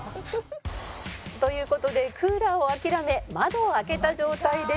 「という事でクーラーを諦め窓を開けた状態で」